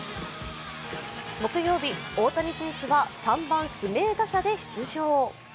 木曜日、大谷選手が３番・指名打者で出場。